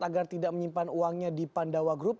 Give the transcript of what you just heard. agar tidak menyimpan uangnya di pandawa group